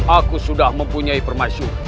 aku sudah mempunyai permaisu